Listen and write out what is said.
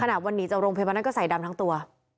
ขนาดวันนี้จะลงเพลงมานั้นก็ใส่ดำทั้งตัว